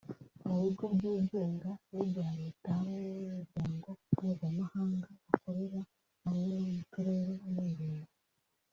mu bigo byigenga n’ibya Leta hamwe n’ imiryango mpuzamahanga bakorera hamwe no mu turere n’imirenge